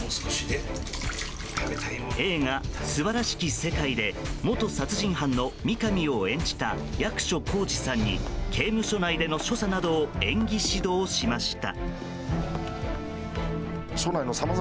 映画「すばらしき世界」で元殺人犯の三上を演じた役所広司さんに刑務所内での所作などを演技指導しました。